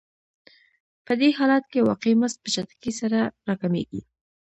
په دې حالت کې واقعي مزد په چټکۍ سره راکمېږي